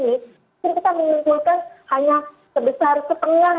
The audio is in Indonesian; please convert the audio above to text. mungkin kita mengumpulkan hanya sebesar setengah